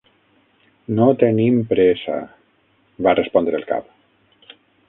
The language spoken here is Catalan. "No tenim pressa", va respondre el cap.